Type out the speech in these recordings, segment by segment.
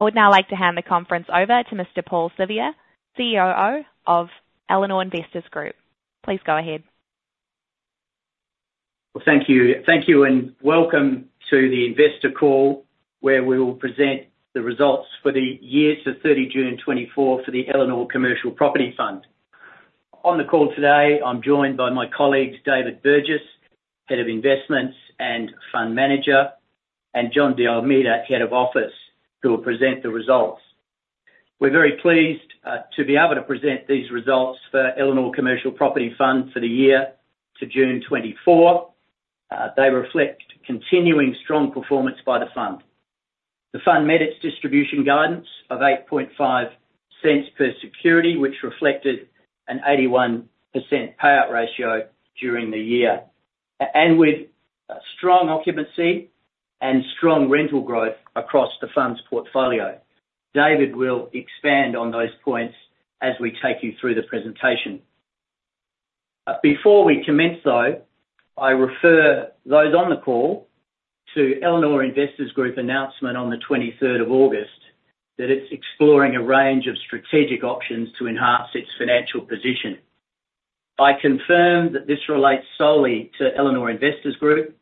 I would now like to hand the conference over to Mr. Paul Siviour, COO of Elanor Investors Group. Please go ahead. Thank you. Thank you, and welcome to the investor call, where we will present the results for the year to 30 June 2024, for the Elanor Commercial Property Fund. On the call today, I'm joined by my colleagues, David Burgess, Head of Investments and Fund Manager, and John De Almeida, Head of Office, who will present the results. We're very pleased to be able to present these results for Elanor Commercial Property Fund for the year to June 2024. They reflect continuing strong performance by the fund. The fund met its distribution guidance of 0.085 per security, which reflected an 81% payout ratio during the year, and with strong occupancy and strong rental growth across the fund's portfolio. David will expand on those points as we take you through the presentation. Before we commence, though, I refer those on the call to Elanor Investors Group announcement on the 23rd of August, that it's exploring a range of strategic options to enhance its financial position. I confirm that this relates solely to Elanor Investors Group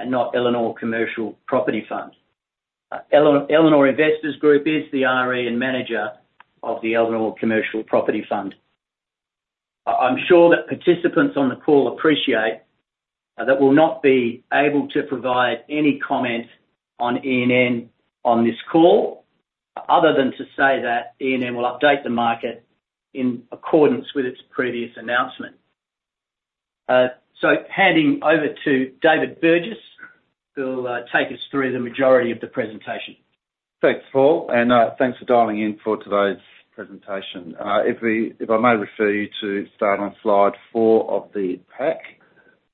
and not Elanor Commercial Property Fund. Elanor Investors Group is the RE and manager of the Elanor Commercial Property Fund. I'm sure that participants on the call appreciate that we'll not be able to provide any comment on ENN on this call, other than to say that ENN will update the market in accordance with its previous announcement. So handing over to David Burgess, who'll take us through the majority of the presentation. Thanks, Paul, and thanks for dialing in for today's presentation. If I may refer you to start on slide four of the pack.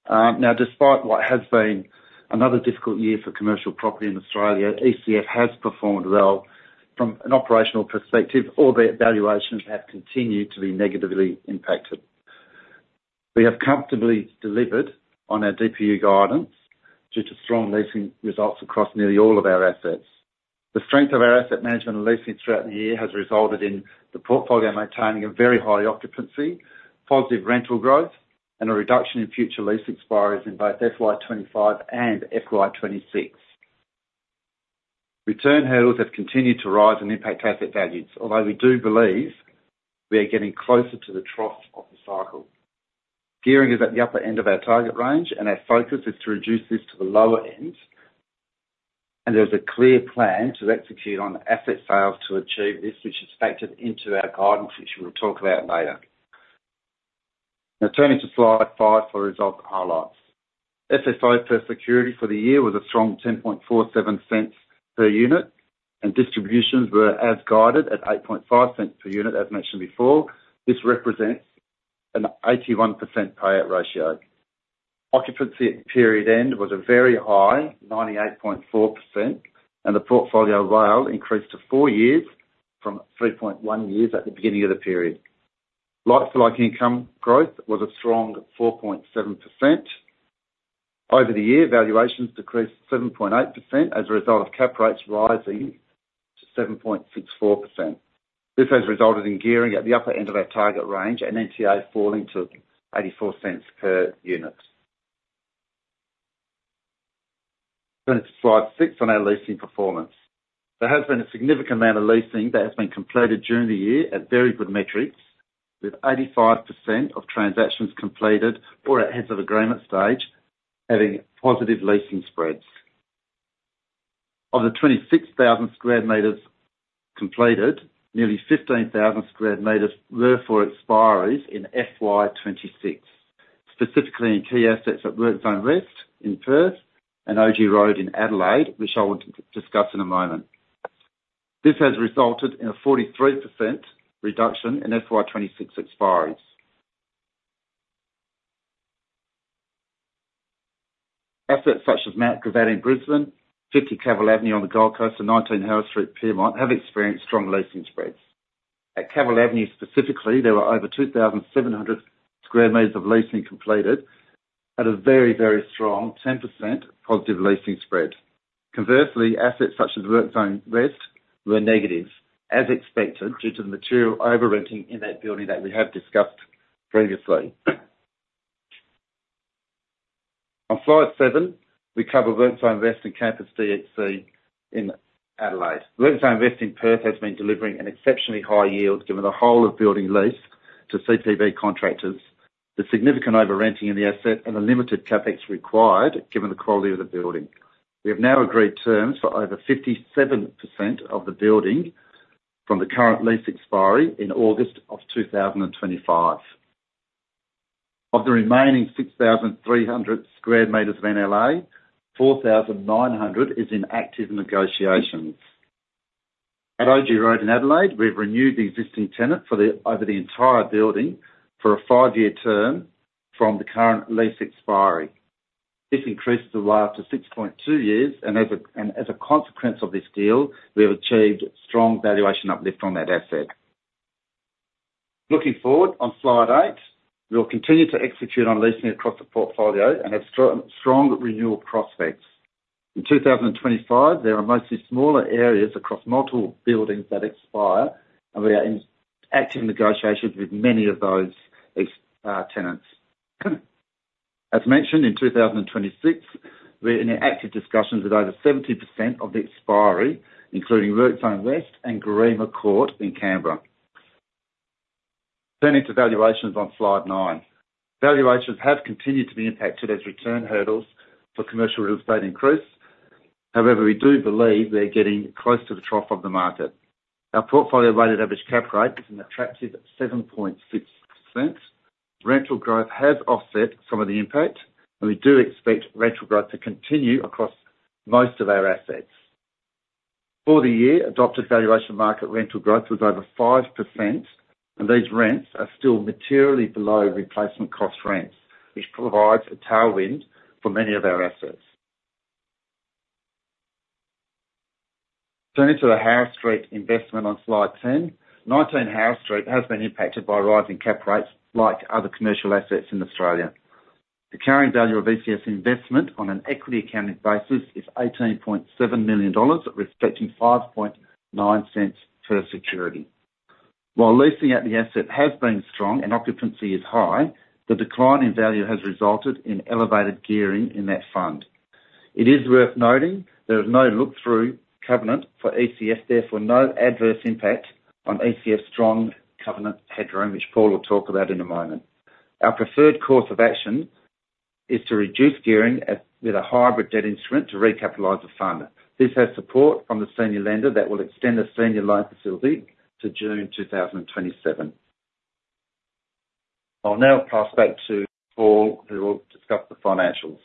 Now, despite what has been another difficult year for commercial property in Australia, ECF has performed well from an operational perspective, although valuations have continued to be negatively impacted. We have comfortably delivered on our DPU guidance due to strong leasing results across nearly all of our assets. The strength of our asset management and leasing throughout the year has resulted in the portfolio maintaining a very high occupancy, positive rental growth, and a reduction in future lease expiries in both FY 2025 and FY 2026. Return hurdles have continued to rise and impact asset values, although we do believe we are getting closer to the trough of the cycle. Gearing is at the upper end of our target range, and our focus is to reduce this to the lower end, and there's a clear plan to execute on asset sales to achieve this, which is factored into our guidance, which we'll talk about later. Now, turning to slide five for result highlights. FFO per security for the year was a strong 0.1047 per unit, and distributions were as guided at 0.085 per unit, as mentioned before. This represents an 81% payout ratio. Occupancy at period end was a very high 98.4%, and the portfolio WALE increased to four years from 3.1 years at the beginning of the period. Like-for-like income growth was a strong 4.7%. Over the year, valuations decreased 7.8% as a result of cap rates rising to 7.64%. This has resulted in gearing at the upper end of our target range, and NTA falling to 0.84 per unit. Going to slide six on our leasing performance. There has been a significant amount of leasing that has been completed during the year at very good metrics, with 85% of transactions completed or at heads of agreement stage, having positive leasing spreads. Of the 26,000 sq m completed, nearly 15,000 sq m were for expiries in FY 2026. Specifically in key assets at WorkZone West in Perth and O.G. Road in Adelaide, which I want to discuss in a moment. This has resulted in a 43% reduction in FY 2026 expiries. Assets such as Mount Gravatt in Brisbane, 50 Cavill Avenue on the Gold Coast, and 19 Harris Street, Pyrmont, have experienced strong leasing spreads. At Cavill Avenue specifically, there were over 2,700 sq m of leasing completed at a very, very strong 10% positive leasing spread. Conversely, assets such as WorkZone West were negative, as expected, due to the material over-renting in that building that we have discussed previously. On slide seven, we cover WorkZone West and Campus DXC in Adelaide. WorkZone West in Perth has been delivering an exceptionally high yield, given the whole-of-building lease to CPB Contractors, the significant over-renting in the asset, and the limited CapEx required given the quality of the building. We have now agreed terms for over 57% of the building from the current lease expiry in August 2025. Of the remaining 6,300 sq m of NLA, 4,900 is in active negotiations. At O.G. Road in Adelaide, we've renewed the existing tenant over the entire building for a five-year term from the current lease expiry. This increases the WALE to 6.2 years, and as a consequence of this deal, we have achieved strong valuation uplift from that asset. Looking forward on slide eight, we will continue to execute on leasing across the portfolio and have strong renewal prospects. In 2025, there are mostly smaller areas across multiple buildings that expire, and we are in active negotiations with many of those tenants. As mentioned, in 2026, we're in active discussions with over 70% of the expiry, including WorkZone West and Garema Court in Canberra. Turning to valuations on Slide 9. Valuations have continued to be impacted as return hurdles for commercial real estate increase. However, we do believe they're getting close to the trough of the market. Our portfolio weighted average cap rate is an attractive 7.6%. Rental growth has offset some of the impact, and we do expect rental growth to continue across most of our assets. For the year, adopted valuation market rental growth was over 5%, and these rents are still materially below replacement cost rents, which provides a tailwind for many of our assets. Turning to the Harris Street investment on Slide 10. 19 Harris Street has been impacted by rising cap rates like other commercial assets in Australia. The carrying value of ECF investment on an equity accounting basis is AUD 18.7 million, reflecting 0.559 per security. While leasing at the asset has been strong and occupancy is high, the decline in value has resulted in elevated gearing in that fund. It is worth noting there is no look-through covenant for ECF, therefore no adverse impact on ECF's strong covenant headroom, which Paul will talk about in a moment. Our preferred course of action is to reduce gearing with a hybrid debt instrument to recapitalize the fund. This has support from the senior lender that will extend the senior loan facility to June 2027. I'll now pass back to Paul, who will discuss the financials.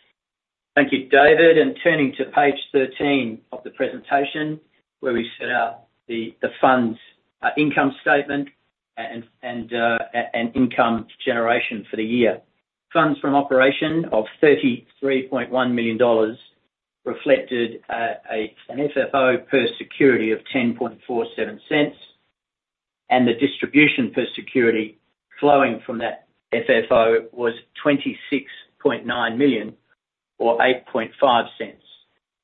Thank you, David, and turning to page 13 of the presentation, where we've set out the fund's income statement and income generation for the year. Funds from operation of 33.1 million dollars reflected an FFO per security of 0.1047, and the distribution per security flowing from that FFO was 26.9 million or 0.085.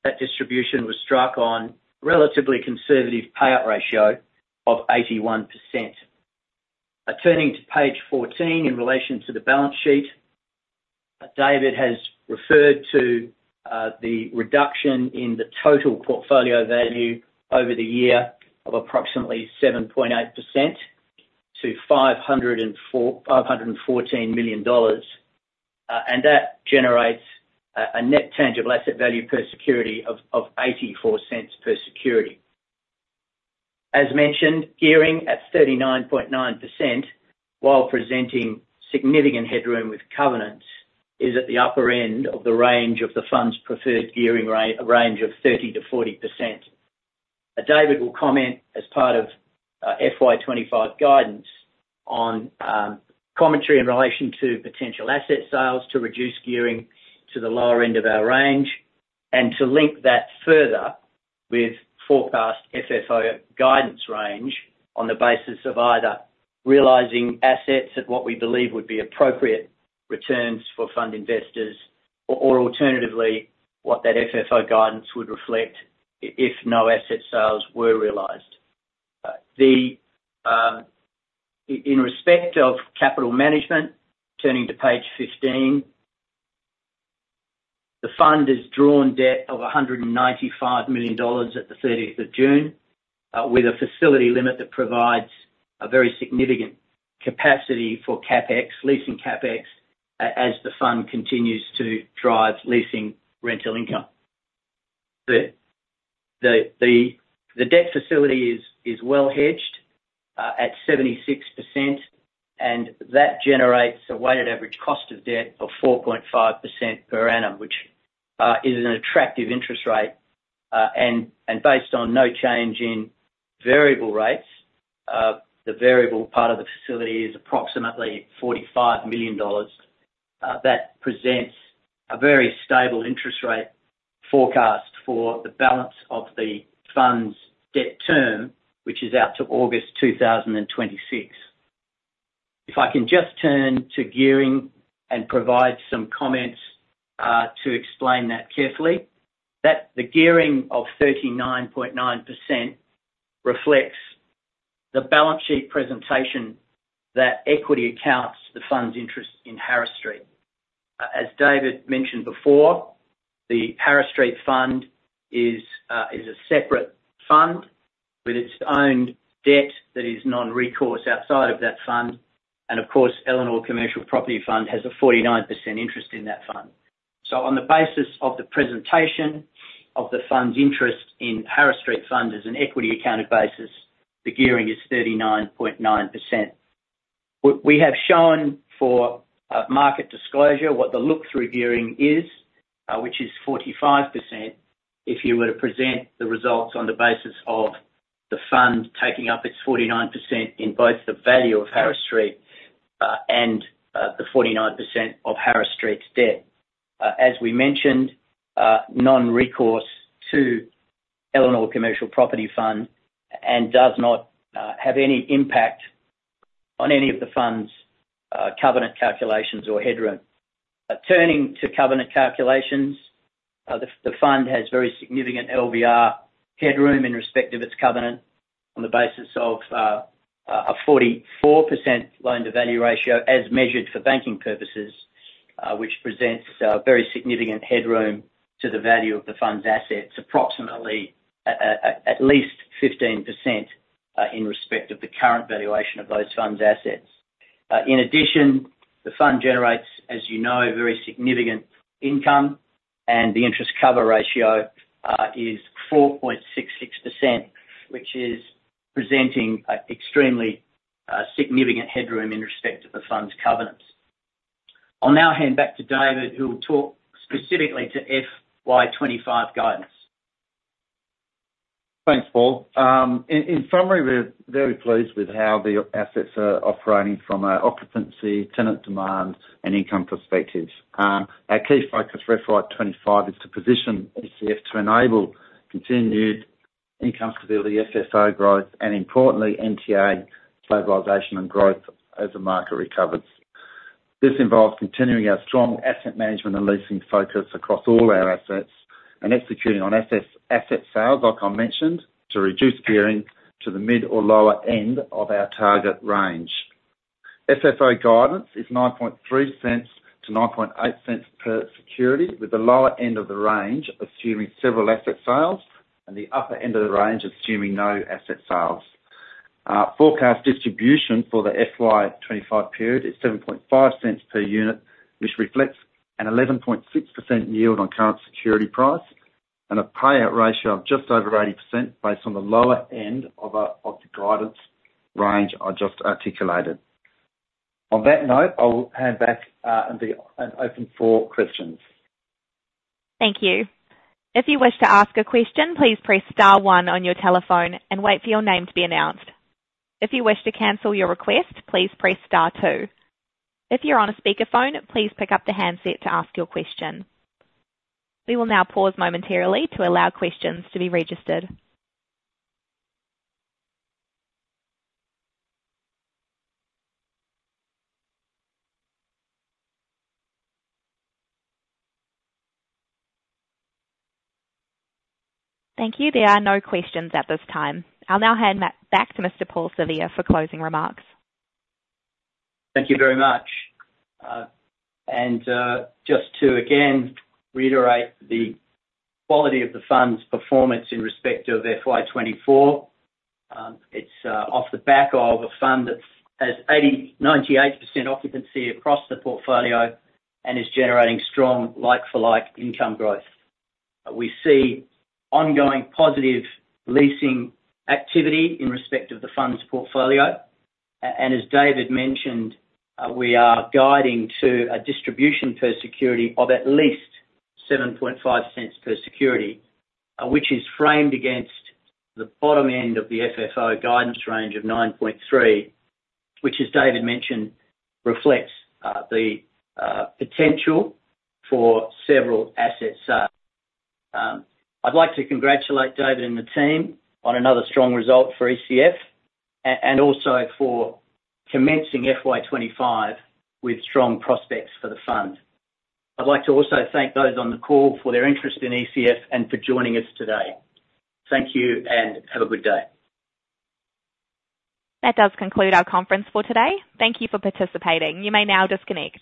That distribution was struck on relatively conservative payout ratio of 81%. Turning to page 14 in relation to the balance sheet, David has referred to the reduction in the total portfolio value over the year of approximately 7.8% to 514 million dollars, and that generates a net tangible asset value per security of 0.84 per security. As mentioned, gearing at 39.9%, while presenting significant headroom with covenants, is at the upper end of the range of the fund's preferred gearing range of 30%-40%. David will comment as part of FY 2025 guidance on commentary in relation to potential asset sales to reduce gearing to the lower end of our range, and to link that further with forecast FFO guidance range on the basis of either realizing assets at what we believe would be appropriate returns for fund investors, or alternatively, what that FFO guidance would reflect if no asset sales were realized. The... In respect of capital management, turning to page 15, the fund has drawn debt of 195 million dollars at the thirtieth of June with a facility limit that provides a very significant capacity for CapEx, leasing CapEx, as the fund continues to drive leasing rental income. The debt facility is well hedged at 76%, and that generates a weighted average cost of debt of 4.5% per annum, which is an attractive interest rate and, based on no change in variable rates, the variable part of the facility is approximately 45 million dollars. That presents a very stable interest rate forecast for the balance of the fund's debt term, which is out to August 2026. If I can just turn to gearing and provide some comments to explain that carefully. That the gearing of 39.9% reflects the balance sheet presentation, that equity accounts the fund's interest in Harris Street. As David mentioned before, the Harris Street Fund is a separate fund with its own debt that is non-recourse outside of that fund, and of course, Elanor Commercial Property Fund has a 49% interest in that fund. So on the basis of the presentation of the fund's interest in Harris Street Fund as an equity accounted basis, the gearing is 39.9%. We have shown for market disclosure what the look-through gearing is, which is 45%, if you were to present the results on the basis of the fund taking up its 49% in both the value of Harris Street and the 49% of Harris Street's debt. As we mentioned, non-recourse to Elanor Commercial Property Fund, and does not have any impact on any of the fund's covenant calculations or headroom. Turning to covenant calculations, the fund has very significant LVR headroom in respect of its covenant on the basis of a 44% loan-to-value ratio as measured for banking purposes, which presents a very significant headroom to the value of the fund's assets, approximately at least 15%, in respect of the current valuation of those fund's assets. In addition, the fund generates, as you know, very significant income, and the interest cover ratio is 4.66%, which is presenting a extremely significant headroom in respect to the fund's covenants. I'll now hand back to David, who will talk specifically to FY 2025 guidance. Thanks, Paul. In summary, we're very pleased with how the assets are operating from a occupancy, tenant demand, and income perspective. Our key focus for FY 2025 is to position ECF to enable continued income stability, FFO growth, and importantly, NTA stabilization and growth as the market recovers. This involves continuing our strong asset management and leasing focus across all our assets, and executing on asset sales, like I mentioned, to reduce gearing to the mid or lower end of our target range. FFO guidance is 0.093-0.098 per security, with the lower end of the range assuming several asset sales, and the upper end of the range assuming no asset sales. Our forecast distribution for the FY 2025 period is 0.075 per unit, which reflects an 11.6% yield on current security price, and a payout ratio of just over 80% based on the lower end of the guidance range I just articulated. On that note, I will hand back and open for questions. Thank you. If you wish to ask a question, please press star one on your telephone and wait for your name to be announced. If you wish to cancel your request, please press star two. If you're on a speakerphone, please pick up the handset to ask your question. We will now pause momentarily to allow questions to be registered. Thank you. There are no questions at this time. I'll now hand back to Mr. Paul Siviour for closing remarks. Thank you very much. Just to again reiterate the quality of the fund's performance in respect of FY 2024, it's off the back of a fund that has 98% occupancy across the portfolio and is generating strong like-for-like income growth. We see ongoing positive leasing activity in respect of the fund's portfolio, and as David mentioned, we are guiding to a distribution per security of at least 0.075 per security, which is framed against the bottom end of the FFO guidance range of 9.3, which, as David mentioned, reflects the potential for several asset sales. I'd like to congratulate David and the team on another strong result for ECF, and also for commencing FY 2025 with strong prospects for the fund. I'd like to also thank those on the call for their interest in ECF and for joining us today. Thank you, and have a good day. That does conclude our conference for today. Thank you for participating. You may now disconnect.